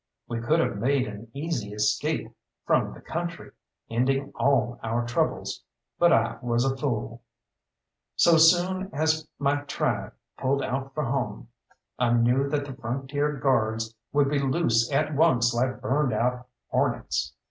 We could have made an easy escape from the country, ending all our troubles but I was a fool. So soon as my tribe pulled out for home I knew that the Frontier Guards would be loose at once like burned out hornets.